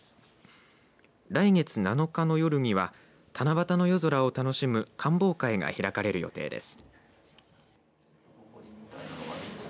来月７日の夜には七夕の夜空を楽しむ観望会が開かれる予定です。